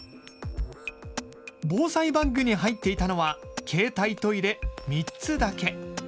防災バッグに入っていたのは携帯トイレ３つだけ。